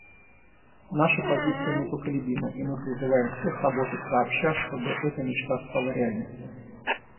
Наша позиция непоколебима, и мы призываем всех работать сообща, чтобы эта мечта стала реальностью.